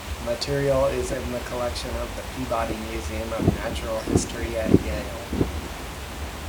Material is in the collection of the Peabody Museum of Natural History at Yale.